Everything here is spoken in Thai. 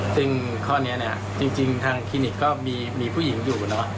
ซึ่งข้อนี้จริงทางคลินิกก็มีผู้หญิงอยู่